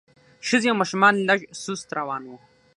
ښځې او ماشومان لږ سست روان وو.